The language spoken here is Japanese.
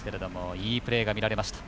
いいプレーが見られました。